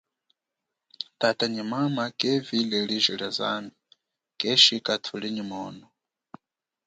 Tata nyi mama kevile liji lia zambi keshika thuli nyi mono.